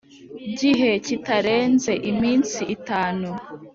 Gihe kitarenze iminsi itanu